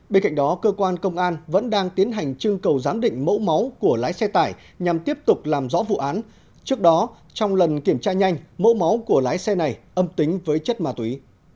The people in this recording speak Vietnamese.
bên cạnh đó cơ quan công an vẫn đang tiến hành trưng cầu giám định mẫu máu của lái xe tải nhằm tiếp tục làm rõ vụ án trước đó trong lần kiểm tra nhanh mẫu máu của lái xe này âm tính với chất ma túy